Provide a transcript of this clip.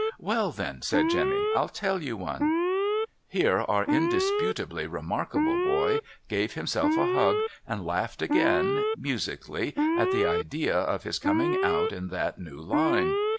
' Well, then,' said Jemmy, ' I'll tell you one.' Here our indisputably remarkable boy gave himself a hug, and laughed again, musically, at the idea of his coming out in that new line.